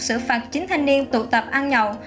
xử phạt chín thanh niên tụ tập ăn nhậu